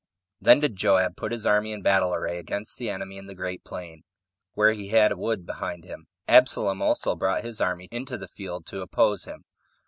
2. Then did Joab put his army in battle array over against the enemy in the Great Plain, where he had a wood behind him. Absalom also brought his army into the field to oppose him.